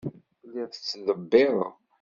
Telliḍ tettḍebbireḍ.